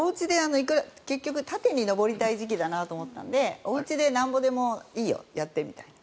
結局、縦に上りたい時期だなと思ったのでおうちでなんぼでもいいよ、やってみたいな。